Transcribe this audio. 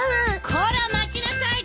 こら待ちなさい！